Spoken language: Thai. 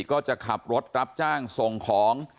ก็จะขับรถรับจ้างส่งของ